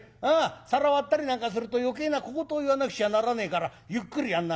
皿割ったりなんかすると余計な小言を言わなくちゃならねえからゆっくりやんな。